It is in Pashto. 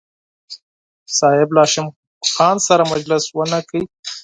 صاحب له هاشم خان سره مجلس ونه کړ.